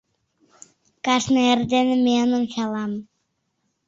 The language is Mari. Кажне эрдене миен ончалам.